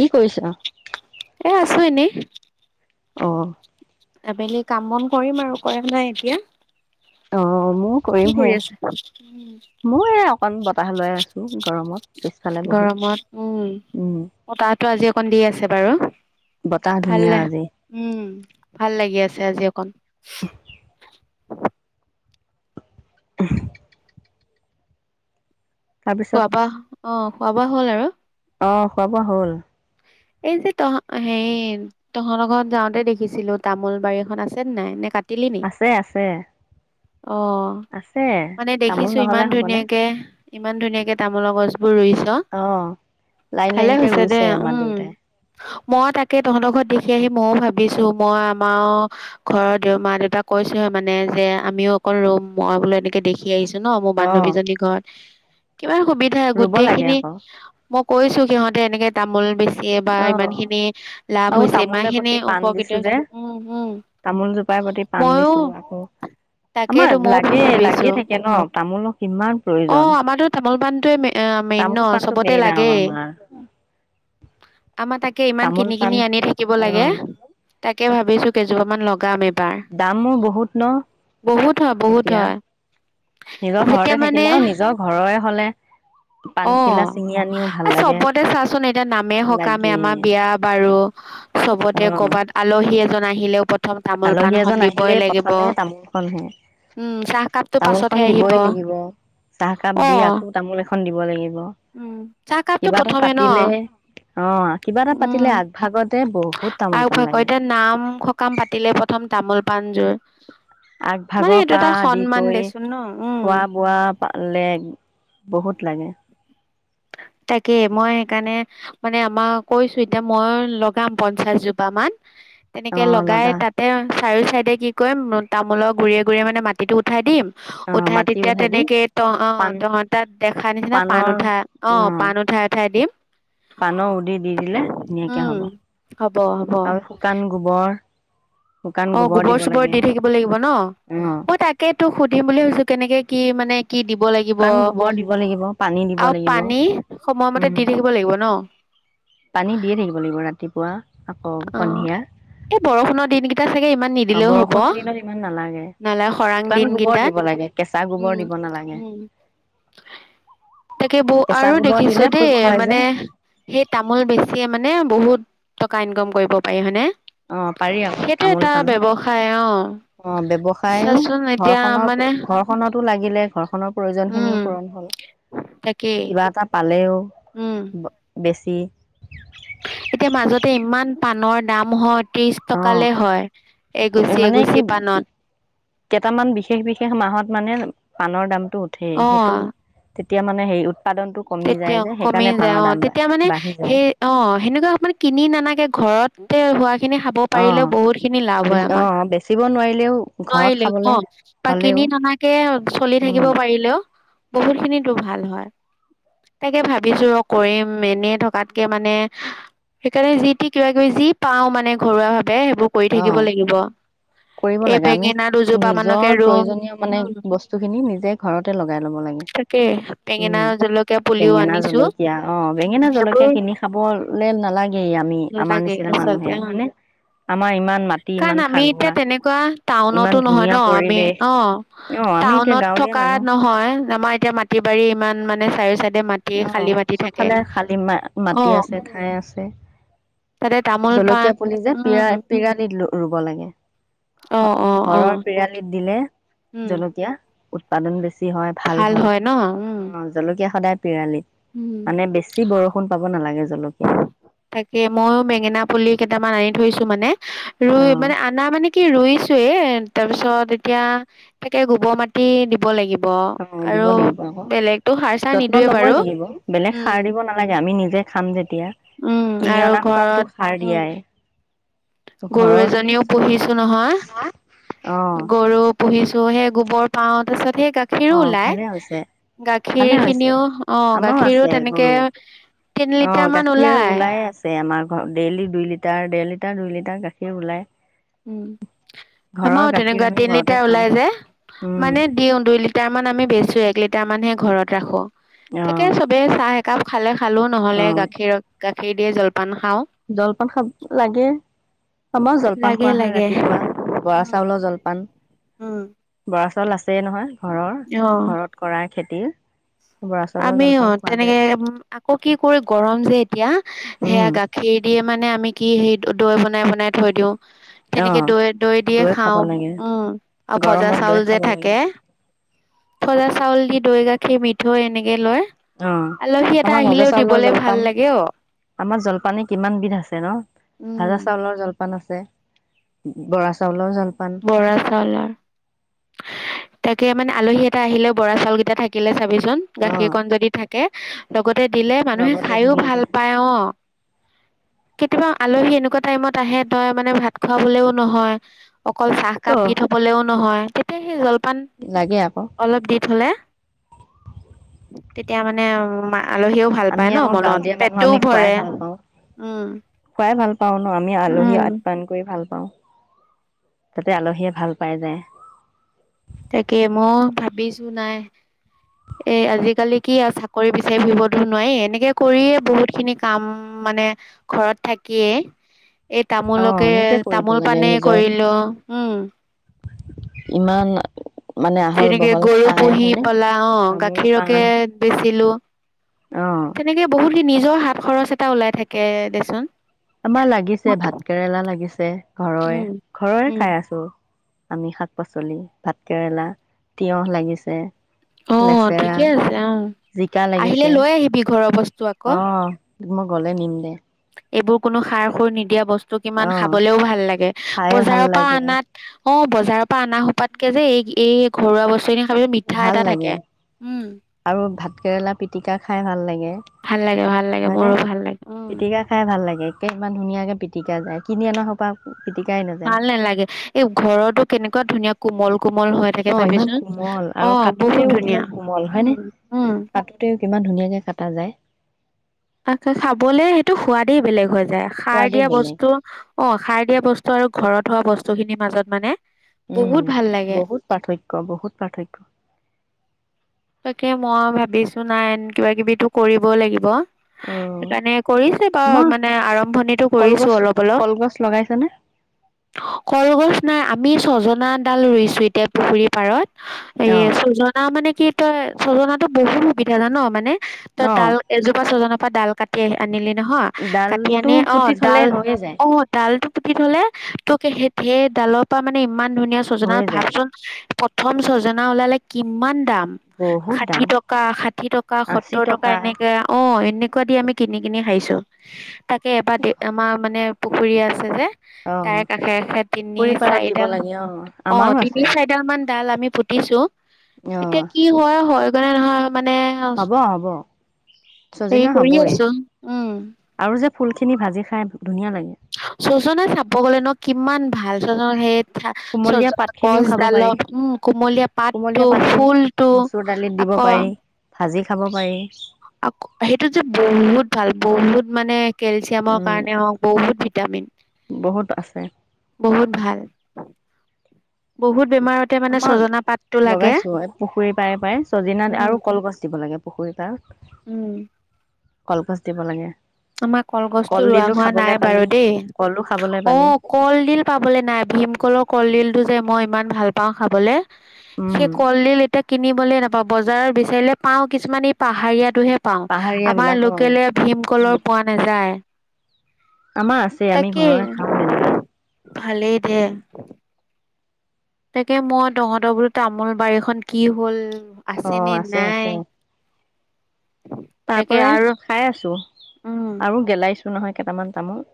কি কৰিছা? এ আছো এনে। অ। আবেলি কাম বন কৰিম আৰু কৰা নাই এতিয়া। অ',। ময়ো কি কৰিমহে। কৰি আছে? ময়ো এ অকন বতাহ লৈ আছো গৰমত পিছফালে বহি। গৰমত উম, উম, বতাহটো আজি অকণ দি আছে বাৰু, বতাহ ভাল ধুনীয়া নে? আজি। উম। ভাল লাগি আছে আজি অকণ। [unintelligible] তাৰপিছত খোৱা - বোৱা অ খোৱা - বোৱা হ'ল আৰু অ খোৱা - বোৱা হ'ল। এই যে তহ হেৰি তহঁতৰ ঘৰত যাওঁতে দেখিছিলো তামোল বাৰী এখন আছে নে নাই নে কাটিলি নি? আছে আছে অ আছে। মানে তামোল দেখিছো নহ'লে ইমান হ'বনে? ধুনীয়াকে। ইমান ধুনীয়াকে তামোলৰ গছ। ৰুইছ অ', লাইন ভালে লাইনকে হৈছে দে ৰুইছে আমাৰ উম। দেউতাই। মই তাকে তহঁতৰ ঘৰত দেখি আহি মইও ভাবিছো মই আমাৰ ঘৰৰ দে মা দেউতাক কৈছোহে মানে যে আমিও অকল ৰুম মই বোলো এনেকে দেখি আহিছো। ন মোৰ অ', বান্ধৱীজনী ঘৰত। কিমান সুবিধা ৰুব লাগে গোটেইখিনি আকৌ। মই কৈছো সিহঁতে এনেকে তামোল বেচি বাৰ ইমান অ', খিনি লাভ আৰু হৈছে তামোলে ইমানখিনি প্ৰতি পাণ উপকৃত দিছো যে, হৈছে উম উম তামোল জোপাৰ প্ৰতি পাণ ময়ো দিছো আকৌ। আমাৰ তাকেইতো ময়ও লাগে ভাবিছো লাগিয়ে থাকে ন' তামোলৰ কিমান অ প্ৰয়োজন। আমাৰতো তামোল পাণটোৱে যে মেইন ন তামোল পাণটো চবতে মেইন আৰু লাগেই। আমাৰ। আমাৰ তাকে ইমান তামোল কিনি পাণ কিনি আনি থাকিব অ লাগে তাকে তাকে ভাবিছো কেইজোপামান লগাম এই দামো বহুত বহুত হয় ন বহুত এতিয়া হয় নিজৰ যেতিয়া ঘৰতে মানে থাকিলে আৰু নিজৰ ঘৰৰে হ'লে অ পাণখিলা ছিঙি আনিও ভাল লাগে চবতে চাচোন এতিয়া নামে সকামে লাগি আমাৰ বিয়া বাৰু। অ চবতে কৰ'বাত আলহী এজন নাহিলেও আলহী এজন আহিলেই প্ৰথমে তামোল খনহে উম চাহকাপটো তামোল খন পাছতহে আহিব দিবই লাগিব চাহকাপ অ দি আকৌ তামোল এখন দিব। দিব লাগিব উম চাহকাপটো কিবা এটা প্ৰথমে ন পাতিলে অ কিবা এটা পাতিলে আগভাগত। আৰু ভকতে নাম সকাম পাতিলে। তামল পাণযোৰ মানে আগভাগৰ এইটো পৰা এটা আদি সন্মান কৰি দেচোন ন উম খোৱা বোৱা পালে বহুত লাগে তাকে মই সেইকাৰণে মানে আমাক কৈছো এতিয়া মই লগাম পঞ্চাশ জোপা মান। অ তেনেকে লগাই লগা তাতে চাৰিও চাইডে কি কৰিম তামোলৰ গুডৰিয়ে গুৰিয় মানে মাটিটো উঠাই দিম। অ উঠাই মাটি তেতিয়া দি তেনেকে ত অ পাণ তহঁত তাত দেখা নিচিনা পাণ পাণৰ উঠা অ পাণ উঠাই উঠ ঠাই দিম। পাণৰ উধি দি দি দিলে ধুনীয়াকে উম হ'ব হব হব আৰু শুকান গোবৰ শুকান অ গোবৰ দিব চোবৰ লাগে দি থাকিব লাগিব ন অ মই তাকে তোক সুধিম বুলি ভাবিছো কেনেকে কি মানে। কি দিব লাগিব শুকান গোবৰ দিব লাগিব। পানী দিব আৰু লাগিব। পানী সময়মতে উম দি থাকিব লাগিব ন? পানী দিয়ে থাকিব লাগিব ৰাতিপুৱা আকৌ অ সন্ধিয়া এই বৰষুণৰ দিনকেইটা চাগে ইমান অ নিদিলেও হ'ব বৰষুণৰ দিনত ইমান নালাগে। নহলে খৰাং শুকান গোবৰ দিনকেইটাত দিব লাগে কেঁচা উম গোবৰ দিব নালাগে। উম তাকে বৌ কেঁচা আৰু গোবৰ দিলে দেখিছো পোক দেই, হয় যে মানে সেই তামোল বেছিয়ে মানে। বহুত টকা। কা ইনকম কৰিব পাৰি হয়নে? অ পাৰি আকৌ সেইটো তামোল এটা পাণৰ ব্যৱসায় অ ব্যৱসায়ও চাচোন এতিয়া ঘৰখনৰ মানে ঘৰখনতো লাগিলে ঘৰখনৰ প্ৰয়োজন উম খিনিও পূৰণ হল। তাকেই কিবা এটা পাত লেও। উম বেছ [inaudible] এতিয়া মাজতে ইমান পাণৰ দাম হয়। ত্ৰিশ অ টকালে হয় কলে এগুচি মানে কি এগুচি পাণত কেইটামান বিশেষ বিশেষ মাহত মানে।। পানৰ দাম। টো উঠে অ সেইটো। তেতিয়া মানে হেৰি টোত। তেতিয়া কমি যায় অ, তেতিয়া মানে বাঢ়ি যায় সেই অ হেনেকুৱা সময়ত কিনি নানাকে ঘৰতে ৰুৱা।। খিনি খাব অ পাৰিলেও বহুত খিনি লাভ হয় অ আমাৰ বেচিব নোৱাৰিলেও ঘৰত নোৱাৰিলেও খাবলে অ বা হ'লেও কিনি ননাকে চলি উম থাকিব পাৰিলেও। বহুত খিনিতো ভাল হয়। তাকে ভাবিছো ৰ কৰিম এনেই থকাতকে মানে সেইকাৰণে যি তি কিবা কিবি যি পাও মানে ঘৰুৱা ভা দে সেইবোৰ কৰি অ থাকিব লাগিব। কৰিব এই লাগে আমি বেঙেনা দুজোপা মানকে নিজৰ ৰুম প্ৰয়োজনীয় মানে উম বস্তুখিনি নিজে ঘৰতে লগাই লব লাগে। তাকে বেঙেনা উম জলকীয়া পুলিও বেঙেনা আনিছো জলকীয়া অ, বেঙেনা জলকীয়া সেইবোৰ কিনি খাবলে নালাগেই আমি। আমাৰ নালাগে নিচিনা মানুহে আচলতে অ হয়নে? আমাৰ ইমান মাটি ইমান খাৰুৱা।। এনেকুৱাঁ টাউনতো নহয় ন? আমি অ অ আমি এতিয়া টাউনত গাঁৱলীয়া থকা মানুহ নহয় আমাৰ এতিয়া মাটি বাৰী ইমান মানে চাৰ।। অ চবফালে খালি মা অ মাটি আছে খাই আছে। তাতে তামোল পাণ জলকীয়া পুলি যে পিৰা উম পিৰালীত ৰুব লাগে। অ অ অ ঘৰৰ পিৰালীত দিলে উম জলকীয়া।। উৎপাদন বেছি হয় ভাল হয় অ জলকীয়া সদায়।। পৰালি উম মানে বেছি বৰষুণ পাব নালাগে।। জলকীয়া তাকে ময়ো বেঙেনা পুলি কেইটামান আনিম।। থৈছো মানে। অ ৰুই মানে আনা মানে কি ৰুইছো।। তে তাৰ পিছত এতিয়া তাকে গোবৰ মাটি দিব লাগিব অ দিব আৰু লাগিব আকৌ বেলেগতো সাৰ চাৰ যত্ন নিদোৱে লবই বাৰু লাগিব বেলেগ উম সাৰ দিব নালাগে আমি নিজে খান্দে উম আৰু ঘৰত উম দিয়াই গৰু ঘৰৰ খিনি এজনীও পুহিছো নহয় অ গৰু পুহিছো সেই গোবৰ পাওঁ তাৰিছত সেই গাখীৰো অ ওলাই ভালে হৈছে গাখীৰ ভালে হৈছে খিনিও‌ আমাৰো গাখীৰো আছে তেনেকে তিন লিটাৰ মান সিয় ওলাই আছে আমাৰ ঘৰ ডেইলি দুই লিটাৰ ডেৰ লিটাৰ দুই লিটাৰ গাখীৰ ওলাই উম ঘৰৰ আমাৰ গাখীৰ তেনেকুৱা আমি তিন ঘৰতে লিটাৰ খাওঁ ওলাই যে উম মানে দিও দুই লিটাৰ মানে আমি বেচে এক লিটাৰ মানহে ঘৰত ৰাখো অ তাকে চবে চাই কাপ খালে খালো অ নহলে গাখীৰত গাখীৰ দিয়ে জল জলপান খাব লাগে খমা জলপান জলপান লাগে খোৱা হয় লাগে ৰাতিপুৱা বৰা চাউলৰ উম জলপান [unintelligible] আছে নহয় ঘৰৰ অ ঘৰত কৰাৰ খেতি [inaudible] আমি অ তেনেকে আকৌ কি কৰি গৰম যে এতিয়া সেয়া উম গাখীৰ দি মানে আমি কি হে দৈ বনাই বনাই থৈ দিওঁ তেনেকে অ', দৈ দৈ দিয়ে খাব খাওঁ লাগে উম আৰু ভজা গৰমত দৈ চাউল যে খাব লাগে থাকে ভজা চাউল দি দৈ গাখীৰ মিঠৈ এনেকে কে লয় অ আমাৰ ভজা চাউলৰ ভাল জলপান লাগে অ আমাৰ জলপানে কিমান বিধ আছে ন ভজা চাউলৰ জলপান আছে বৰা চাউলৰও জল বৰা চাউলাৰ তাকে মানে আলহী এটা আহিলেও চাউল কেইটা থাকিলে চাবি অ', গাখীৰকন যদি থাকে থাকে লগ তাতে দিলে মানুহে লগতে খাইও ভাল ধুনীয়াকে পায় অ কেতিয়াবা আলহী এনেকুৱা টাইমত আহে তই মানে ভাত খোৱাবলেও নহয় অকল চাহকাপ দি অ', থবলেও নহয়। তেতিয়া সি জল পান লাগে আকৌ অলপ দি থলে। তেতিয়া মানে উ মা আলহীও ভাল আমি পায় ন আকৌ মনত গাঁৱলীয়া মানুহ পেটটোও আমি খুৱাই ভৰে উম। পাও ন আমি আলহী আট পান কৰি ভাল তাতে আলহীয়ে ভাল পাই যায়। তাকে মই ভাবিছো নাই এ আজিকালি কি আৰু চাকৰি বিচাৰি ফুৰিবতো নোৱাৰি, এনেকে কৰিয়ে বহুত খিনি কাম মানে ঘৰত থাকিয়ে এই অ', তামোলকে নিজে কৰিব তামোল লাগে পানেই নিজৰ কৰিলো। উম ইমান মানে আহল যেনেকে বহল গৰু ঠাই পুহি হয়নে? পলা অ তামোল পাণ গাখীৰকে বেচিলো, অ'। তেনেকে বহুতখিনি নিজৰ হাত খৰচ এটা ওলাই থাকে দেচোন। আমাৰ লাগিছে ভাত কেৰেলা লাগিছে ঘৰৰে, উম ঘৰৰে উম খাই আছো। আমি শাক পাচলি ভাত কেৰেলা তিয়হ লাগিছে। অ', লেচেৰা ঠিকে আছে। অ', জিকা আহিলে লাগিছে লৈ আহিবি ঘৰৰ বস্তু আকৌ। অ' মই গ'লে নিম দে। এইবোৰ কোনো সাৰ সুৰ নিদিয়া বস্তু। কিমান অ' খাবলেও ভাল লাগে খায়ে ভাল বজাৰৰ পৰা লাগে অনাত অ বজাৰৰ পৰা অনা সোপাতকে যে, এই - এই ঘৰুৱা বস্তু খিনি মিঠা ভাল এটা লাগে থাকে উম। আৰু ভাত কেৰেলা পিটিকা খাই ভাল লাগে ভাল লাগে, ভাল লাগে, হয়নে? মোৰো ভাল লাগে উ পিটিকা খাই ভাল লাগে একে ইমান ধুনীয়াকে পিটিকা যায় কিনি অনা সোপা পিটিকাই নাযায়। ভাল নেলাগে, এই ঘৰটো কেনেকুৱা ধুনীয়া কোমল কোমল হৈ থাকে অ ইমান চাবিচোন, কোমল অ আৰু বহুত কাটোতেও ধুনীয়া কিমান উম উম ইমান ধুনীয়াকে কটা যায়। [unintelligible] খাবলে সেইটো সোৱাদেই বেলেগ হয়। যায় সাৰ সোৱাদেই দিয়া বেলেগ বস্তু অ সাৰ দিয়া বস্তু আৰু ঘৰত থোৱা বস্তুখিনিৰ মাজত মানে উম, বহুত ভাল লাগে বহুত পাৰ্থক্য বহুত পাৰ্থক্য। তাকে মই ভাবিছো নাইন কিবা কিবিটো কৰিব লাগিব। অ সেইকাৰণে কৰিছে বাৰো মা মানে আৰম্ভণিতো কৰিছো কলগছ অলপ অলপ। কলগছ লগাইছানে কলগছ নাই আমি ছজনাডাল ৰুইছোঁ, এতিয়া পুখুৰী পাৰত। অ এ-সজনা মানে- এ চজনাতো বহুত সুবিধা জান মানে- ত অ ডাল এজোপা ছজনাক- পৰা ডাল কাটি আনিলে- নহয় কাটি ডালটো আনি পুতি অ- থলে ডাল হৈয়ে যায় অ- ডাল- পুতি থলে তোক সেই ডালৰ পৰা মানে- ইমান ধুনীয়া চজনা হৈয়ে যায় ভাবচোন ক'ত প্ৰথম ছজনা ওলালে কিমান দাম! বহুত ষাঠি দাম টকা, ষাঠি টকা, সত্তৰ টকা, এনেকে অ- এনেকে দি আমি কিনি কিনি খাইছো। তাকে, এবাৰ দি আমাৰ মানে- পুখুৰী আছে যে- অ তাৰে কাষে- কাষে তিনি পুখুৰী পাৰত দিব চাৰিদাল- লাগে অ অ- আমাৰো তিনি আছে চাৰিদাল মান ডাল আমি- পুতিছো- এতিয়া অ- কি হয়-হয় বন হ [unintelligible] মানে- হ'ব হ'ব হেৰি ছজিনা কৰি হ'বই আছো উম- আৰু যে ফুলখিনি ভাজি খাই ধুনীয়া লাগে। চজনা চাব গলে ন! কিমান ভাল চজন সেইত কুমলীয়া [unintelligible] পাতখিনিও খাব পাৰি গছডালত উম- কুমলীয়া পাতটো, কুমলীয়া পাতখিনি ফুলটো, মচুৰ দালিত দিব পাৰি আকৌ- ভাজি খাব পাৰি। আকৌ সেইটো যে বহুত ভাল বহুত মানে- কেলচিয়ামৰ উম কাৰণে হওক বহুত ভিটামিন। বহুত আছে বহুত ভাল। বহুত- বেমাৰতে মানে আমাৰ ছজনা পাতটো লাগে লগাইছো পুখুৰী পাৰে- পাৰে। ছজনা উম আৰু কলগছ দিব লাগে পুখুৰী পাৰত। উম, কলগচ দিব লাগে। আমাৰ কলগছটো ৰোৱা কলডিলো হোৱা খাবলৈ নাই বাৰু পালি দেই, কলো খাবলৈ পালি অ- কলডিল পাবলৈ নাই, ভীমকলৰ কলডিল- এইটো যে- মই ইমান ভাল পাওঁ খাবলৈ। উম সেই কলডিল এতিয়া- কিনিবলৈ নাপাওঁ বজাৰত বিচাৰিলে পাওঁ, কিছুমান এই পাহাৰীয়াা- টোহে পাওঁ। পাহাৰীয়া আমাৰ বিলাক অ লোকেলে ভীমকলৰ- স যায় আমাৰ আছেই আমি ঘৰৰ খাওঁ যেনিবা। ভালেই দিয়া তাকে, মই তহঁতৰ বোলো তামোল বাৰীখন কি হ'ল। অ, নে আছে নাই। আছে। তাৰ তাকে পৰাই আৰু খাই আছো উম, আৰু গেলাইছো টো নহয় কেইটামান তামোল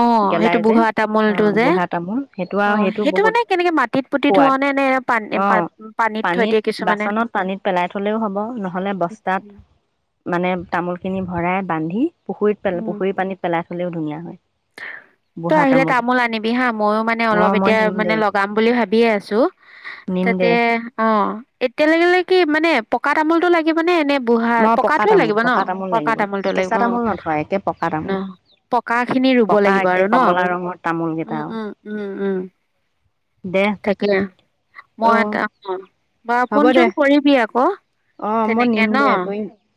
আহ সেইটো গেলাই যে বুঢ়া অ তামোলটো যে বুঢ়া তামোল সেইটো আৰু আহ সেইটো বহুত মানে কেনেকে মাটিত পুতি থোৱা সোৱাদ নে নে পানী অ প পানীত থৈ দিয়ে কিছুমানে বাচনত পানীত পেলাই থলেও হ'ব নহ'লে বস্তাত মানে তামোলখিনি ভৰাই বান্ধি পুখুৰীত পেল উম পুখুৰী পানীত পেলাই হ'লেও ধুনীয়া হয় তই আহিলে তামোল আনিবি হা মইও মানে অ অলপ মই এতিয়া নিম মানে দে লগাম বুলি ভাবিয়ে আছো নিম তাতে দে অ এতিয়ালে লাগিলে কি মানে পকা তামোলতটো লাগিব নে এনে বুঢ়া মই পকা পকাটোৱে তামোল লাগিব ন তামোল পকা লাগিব তামোলটোৱে লাগিব কেঁচা অ তামোল নথয় একে পকা ন তামোল পকা খিনি ৰুব পকা লাগিব একে আৰু ন কমলা ৰঙৰ তামোল কেইটা উম আৰু উম উম উম দে তাকে অ মই এটা অ বাৰ হ'ব ফোন দে চোন কৰিবি আকৌ তেনেকে ন ত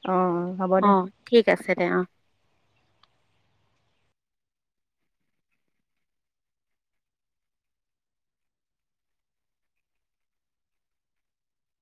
অঁ অ হ'ব দে এ অ'হ